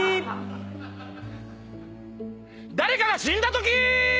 誰かが死んだとき！